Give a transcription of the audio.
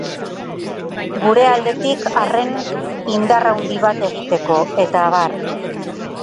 Gure aldetik, arren!, indar handi bat egiteko, eta abar.